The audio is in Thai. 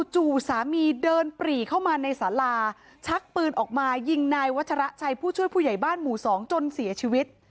จู่สามีเดินปรีเข้ามาในสาราชักปืนออกมายิงนายวัชระชัยผู้ช่วยผู้ใหญ่บ้านหมู่๒จนเสียชีวิต